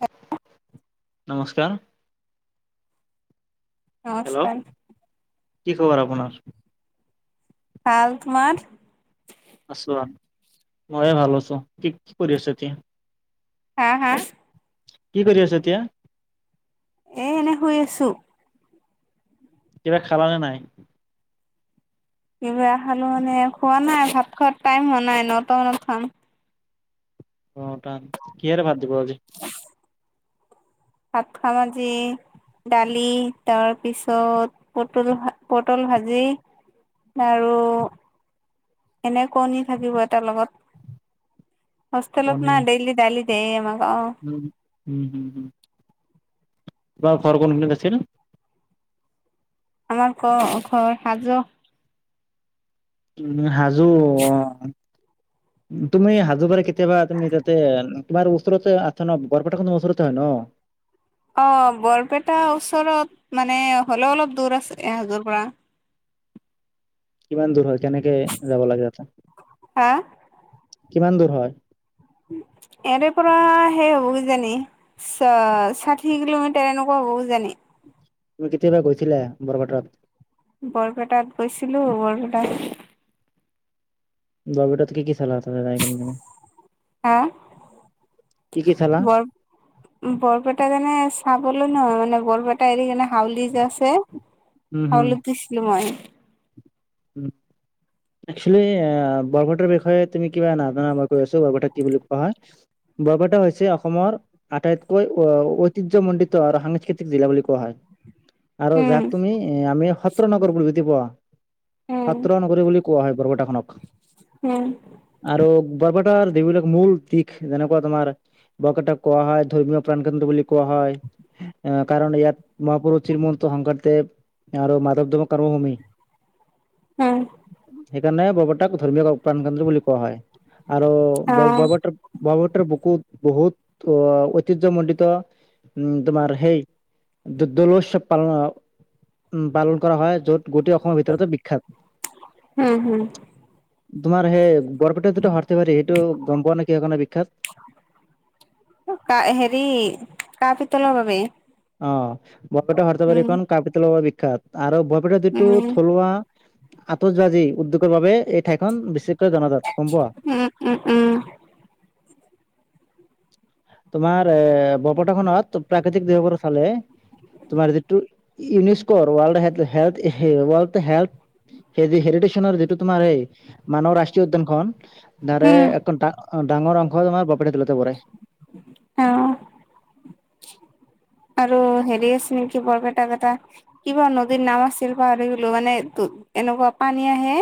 অ' নমস্কাৰ। হেল্ল' নমস্কাৰ। কি খবৰ আপোনাৰ? ভাল, তোমাৰ? আছো আৰু, ময়ো ভাল আছো। কি কি কৰি আছ এতিয়া? হা হা। কি কৰি আছ এতিয়া। এ এনে শুই আছো। কিবা খাল নে নাই। কিবা খালো মানে খোৱা নাই ভাত খোৱাত টাইম হোৱা নাই নটা মানত খাম। অ'তা কিহ দি ভাত দিব আজি। ভাত খাম আজি। দালি তাৰ পিছত পটল পটল ভাজি। আৰু এনে কণী থাকিব এটাৰ লগত হোষ্টেলত কণী না ডেইলি দালি [unintelligible] উম, উম, হম, হম। তাৰ ঘৰখন কোনখিনিত আছিল। আমাৰ ঘৰ ঘৰ হাজো। উম, হাজো অ'। [inaudible] তুমি হাজো পাৰে কেতিয়াবা তুমি তাতে তোমাৰ ওচৰতে আছা ন বৰপেটাৰ খনৰ ওচৰতে হয় ন। উ। অ' বৰপেটাৰ ওচৰত মানে হ'লেও অলপ দূৰ আছে হাজোৰ পৰা। কিমান দূৰ হয় কেনেকে যাব লাগে তাতে হা কিমান দূৰ হয়? ইায়াৰে পৰা সেই হুই জানে চ ষাঠি কিলোমিটাৰ এনেকুৱা। জানে। তুমি কেতিয়াবা গৈছিলা বৰপেটাত? বৰপেটাত গৈছিলো বৰপেটাত বৰপেটাত কি কি চালা তোমালোকে কি আহা কি চালা বৰ বৰপেটা যোনে চাবলৈ নোৱাৰে মানে বৰপেটা এৰি কাৰনে হাউলী যে আছে উম হাউলিত দিছিলো মই উম, একচ'লি বৰপেটাৰ বিষয়ে তুমি কিবা নাজানা মই কৈ আছো বৰপেটাত কি বুলি কোৱা হয়। বৰপেটা হৈছে। অসমৰ আটাইতকৈ ঐতিহ্যমণ্ডিত আৰু সাংস্কৃতিক জিলা বুলি কোৱা হয়। [inaudible] আৰু উম যাক তুমি এ আমি সত্ৰ নগৰ বুলি বুজি পাও। উম সত্ৰ নগৰী বুলি কোৱা হয়। বৰপেটাখনক উম আৰু বৰপেটা [inaudible] দেবিলাক মূল দিশ যেনেকুৱা তোমাৰ বকাতা কোৱা হয়, ধৰ্মীয় প্ৰাণ কেন্দ্ৰ বুলি কোৱা হয়। আহ কাৰণ ইয়াত মহাপুৰুষ শ্ৰীমন্ত শঙ্কৰদেৱ আৰু মাধৱ দেৱৰ কৰ্মভূমি। উম। সেইকাৰণে বৰপেটাক ধৰ্মীয়ায় প্ৰাণ কেন্দ্ৰ বুলি কোৱা হয়। আৰু অ ব বৰ ব বটৰ বুকুত বহুত অ' ঐতিহ্যমণ্ডিত, উ তোমাৰ সেই দল উৎসৱ পালন, উ পালন কৰা হয় য'ত গোটেই অসমৰ ভ বিখ্যাত উম হম তোমাৰ সেই বৰপেটাত যিটো হাৰথে পাৰি সেইটো গম পোৱা নে কিহৰ কাৰণে বিখ্যাত? কা হেৰি, ল বাবে বাবে [unintelligible] অ' বৰপেটাৰ উম হাথ্ৰেৰবাৰীখন কাহঁ পিতলৰে বিখ্যাত আৰু উম যটো থলুৱা আতচবাজি উদ্যোগৰ বাবে এই ঠাইখন বিশেষ চ'ব জনাজাত গম পোৱা। উম উম উম তোমাৰ এ বৰপেটা খনত প্ৰাকৃতিক দিশৰ পৰা চালে তোমাৰ যিটো ইউনিস্কৰ ৱাৰ্ল্ড [unintelligible] হে হেৰিটেচনৰ যিটো তোমাৰ এই মানৱ ৰাষ্ট্ৰীয় উদ্যানখন নাৰে উম এক ডাঙৰ অংশ তোমাৰ বপেটা দেলতে পৰে। অ'। আৰু হেৰি আছে নেকি বৰপেটা কটা কিবা নদীৰ নাম আছিল পাহাৰী গিলো মানে এনেকুৱা পানী আহে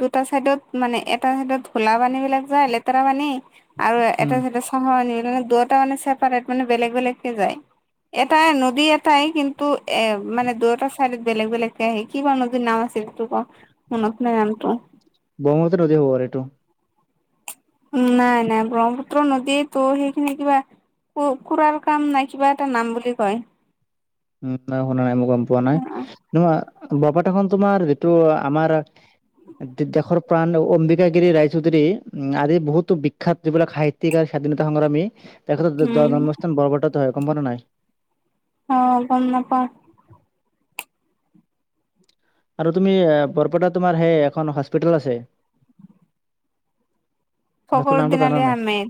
দুটা চাইডত মানে এটা চাইডত ভোলা পানী বিলাক যায় লেতেৰা পানী আৰু এটা উম চাইদে চাফা পানী [unintelligible] দুটা মানে চছেপাৰেট মানে বেলেগ বেলেগকে যায়। এটাই নদী এটাই কিন্তু, এ মানে দুয় এটা চাইডত বেলেগ বেলেগকে আহে কিবা নদীৰ নাম আছিল। টো'ক অ' মনত নাই নামটো। ব্ৰহ্মপুত্ৰ নদ হ'ব আৰু এইটো। নাই নাই ব্ৰহ্মপুত্ৰ নদীয়ে তো সেইখিনি কিবা খুৰাৰ কাম নাই কিবা এটা নাম বুলি কয়। উ শুনা নাই ম গম পোৱা নাই, তো বৰপেটা খন তোমাৰ যটো আমাৰ দেশৰ প্ৰাণ অম্বিকা গিৰি ৰাইচৌধুৰী উম আদি বহুতো বিখ্যাত যিবিলাক সাহিত্যিক আ স্বাধীনতা সংগ্ৰামী, তেখতে উম জন্মস্থান বৰৱৰ্তত হয়। কম্পন নাই? অ' গম নাপাওঁ আৰু তুমি বৰপেটাত তোমাৰ সেই এখন হস্পিতেল আছে। হস্পিতাল নমটো ফকৰুদ্দিন আলি জানা নাই? আহমেদ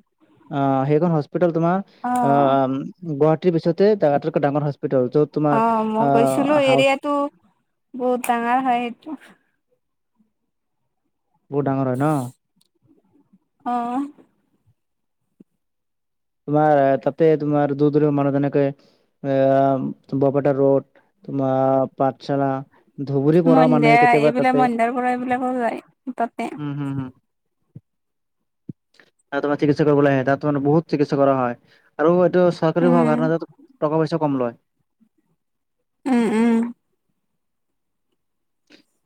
অ' সেইখন হস্পিতেল তোমাৰ অ' গুৱাহাটীৰ পিছতে আটাইতকৈ ডাঙৰ হ অ, মই গৈছিলো এৰিয়াতটো বহুত ডাঙৰ হয় সেইটো। বহুত ডাঙৰ হয় ন'। আহ। তোমাৰ তাতে তোমাৰ দূৰ-দূৰ মানুহ যেনেকে আহ বৰপেটাটা ৰোড তোমাৰ পাঠশালা, ধুবুৰী পৰা মানুহে মন্দিয়া কেতিয়াবা এইবিলাক তাতে মন্দিয়াৰ পৰা এইবিলাকো যায় তাতে উম হম হম। তোমাৰ চিকিৎসা কৰিবলৈ আহে, তাত তমাৰ বহুত চিকিৎসা কৰা হয়। আৰু চৰকাৰী ভাৱ উম ন' য টকা পইচা কম লয়। উম উম।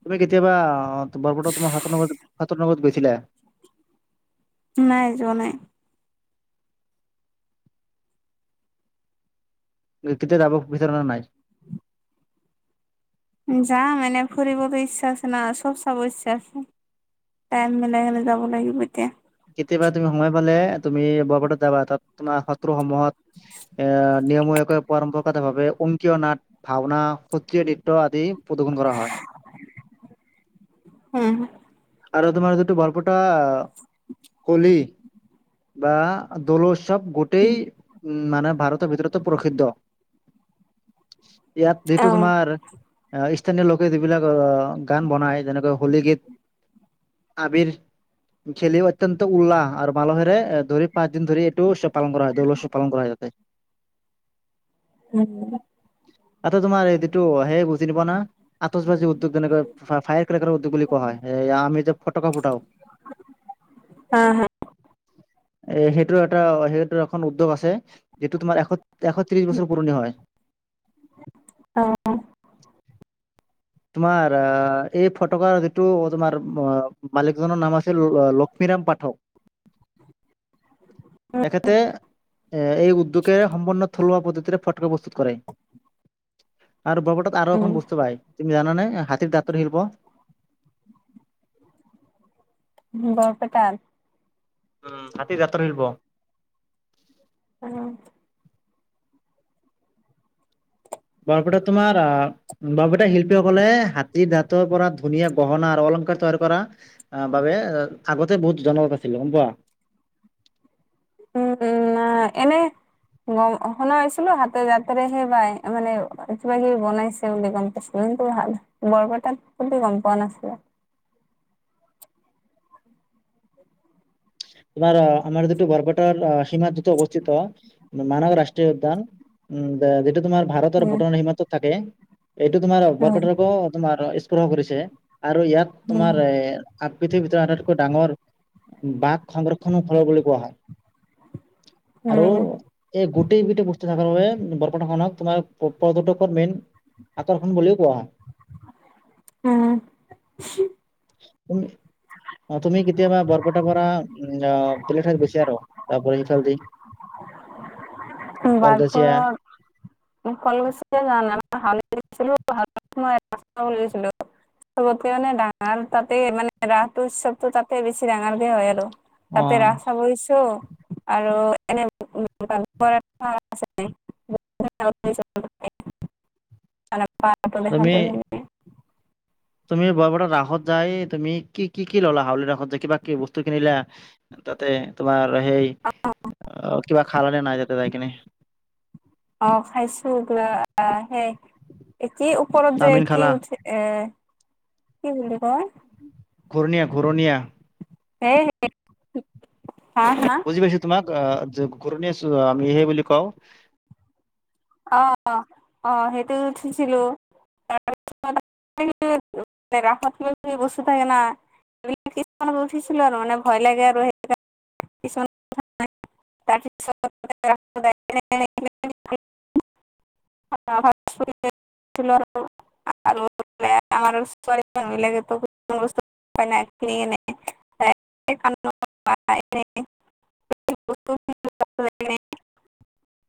তুমি কেতিয়াবা বৰপটা তোমাৰ সতোৰনগৰ সতোৰনগৰত গৈছিলা। নাই যোৱা নাই। কেতিয়া যাব বিচৰা নাই? যাম এনে ফৰিবটো ইচ্ছা আছে না'' চব চাব ইচ্ছা আছে। টাইম মিলাই কেনে যাব লাগিব এতিয়া। কেতিয়াবা তুমি সোময় পালে তুমি বৰপেটাত যাবা, তাত তোমাৰ শত্ৰুসমূহত এ নিয়মীয়াকৈ পৰম্পৰাগতভাৱে অংকীয় নাট ভাওনা সত্ৰীয়া নৃত্য আদি প্ৰদৰ্শন কৰা হয়। উম আৰু তোমাৰ যটো বৰপটা কলি বা দোলচ চব গোটেই উ মানে ভাৰতৰ ভিতৰতো প্ৰসিদ্ধ ইয়াত যিটো অ তোমাৰ স্থানীয় লোকে যিবিলাক গান বনায় যেনেকৈ হোলী গীত আবিৰ খেলিও অত্যন্ত উল্লাহ আৰু ভালদৰে ধৰি পাঁচ দিন ধৰি এইটো পালন কৰা হয়, দৌল উৎসৱ পালন কৰা হয় তাত। [unintelligible] [inaudible] উম আটা তোমাৰ এইটোটো সেইতো [unintelligible] আতচবাজি উদ্যোগ যেনেকৈ ফায়াৰৰ্ক্ৰেকৰ উদ্যোগ বুলি কোৱা হয় এ, আমি যে ফটকা ফুঠও হা হা এ, সেইটো এটা সেইটো এখন উদ্যোগ আছে, যিটো তোমাৰ এশ এশত্ৰিশ বছৰ পুৰণি হয়। অ তোমাৰ এই ফটকাৰ যিটো তোমাৰ মালিকজনৰ নাম আছিল লক্ষ্মী। বিৰাম পাঠক [inaudible] তেখেতে এই উদ্যোগে সম্পন্ন থলুৱা পদ্ধতিৰে ফটকা প্ৰস্তুত কৰে। [inaudible] আৰু বৰপেতাট আৰু এখন উম বস্তু পাই জানেনে হাতীৰ দাঁতৰ শিল্প বৰপেটাত উম, হাতীৰ দাঁতৰ শিল্প উম বৰপেটাত তোমাৰ বৰপেটাৰ শিল্পীসকলে হাত দাঁতৰ পৰা ধুনীয়া গহনা আৰু অলংকাৰ তৈয়াৰ কৰা অ বাবে আগতে বহুত জনাজাত আছিল। [unintelligible] উম-উম এনে গম শুনা পাইছিলো হাতে জাতেৰেহে পাই মানে কিবা কিবি বনাইছে বুলি গম পাইছিলো। টো ভাল বৰপেটাত সো গম পোৱা নাছিলে। তোমাৰ আমাৰ যটো বৰপেটাৰ সীমা দুতো অৱস্থিত মানৱ ৰাষ্ট্ৰীয় উদ্যান উম, দে এইটো তোমাৰ ভাৰত আৰু উম ভূটানৰ সীমান্তত থাকে। এইটো তোমাৰ উম বৰপেটাৰকো তোমাৰ স্পৰ্শ কৰিছে। আৰু ইয়াত তোমাৰ এ আপ পৃথিবীৰ ভিতৰত আটাইতকৈ ডাঙৰ বাট সংৰক্ষণৰ ঠল বুলি কোৱা হয়, আৰু উম এই গোটেই গোটেই বস্তু সকলৰ বাবে বৰপেটাখনক তোমাৰ পৰ্যটকৰ মেইন আকৰ্ষণ বুলিও কোৱা উম তুমি অ' তুমি কেতিয়াবা বৰপেটাৰ পৰা উম আহ বেলেগ ঠাইত গৈছে আৰু তাৰপৰা সিফালে দি বালপ [unintelligible] ফল গুছ যো ৰা্ত লৈছিলো [unintelligible] চবতকে মানে ডাঙৰ তাতে মানে ৰাসটো উৎসৱতটো তাতে বেছি ডাঙৰকে হয় আৰু। অ তাতে ৰাস ছাব গৈছো আৰু-া এনে আ [unintelligible] দেখা তুমি [unintelligible] তুমি বৰপেটা ৰাসত যাই তুম কি কি ললা হাউলি ৰাসত যাই কিবা কি বস্তু কিনিলা তাতে তোমাৰ অ'সেই অ কিবা খাল নে নাই যাতে যাই কিনে? অ খাইছো কা আহ সেই [unintelligible] এ কি ওপৰত যে চাওমিন কি খালা উঠে এ কি বুলি কয় ঘুৰণীয়া ঘুৰণীয়া হে হ হা হা [unintelligible] গৰুণ আমি সেই বুলি কওঁ অ', অ', সেইটো উঠিছিলো ৰাত বস্তি থাকে ন' [unintelligible] ব কিছুমান উঠিছিলো আৰু মানে ভয় লাগে আৰু সেইণে কিছুমানথা [unintelligible] ত [unintelligible] আৰু [unintelligible] আৰু আাৰ মানুহ বিিলাকে বস্তু হয়খিনি কেনে [unintelligible] [unintelligible] [unintelligible]